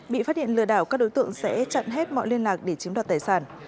bị phát hiện lừa đảo các đối tượng sẽ chặn hết mọi liên lạc để chiếm đoạt tài sản